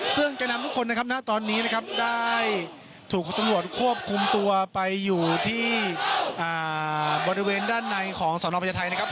ซึ่งแก่นำทุกคนนะครับณตอนนี้นะครับได้ถูกตำรวจควบคุมตัวไปอยู่ที่บริเวณด้านในของสนพญาไทยนะครับ